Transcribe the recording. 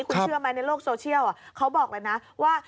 คุณเชื่อไหมในโลกโซเชียลเขาบอกเลยนะว่า